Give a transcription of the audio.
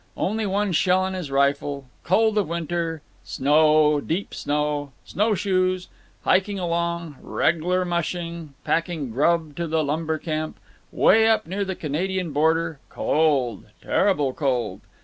Only one shell in his rifle. Cold of winter. Snow—deep snow. Snow shoes. Hiking along—reg'lar mushing—packing grub to the lumber camp. Way up near the Canadian border. Cold, terrible cold.